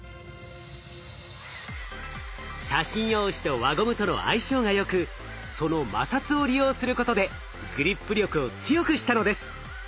写真用紙と輪ゴムとの相性がよくその摩擦を利用することでグリップ力を強くしたのです。